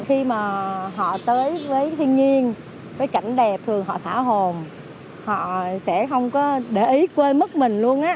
khi mà họ tới với thiên nhiên với cảnh đẹp thì họ thả hồn họ sẽ không có để ý quê mất mình luôn á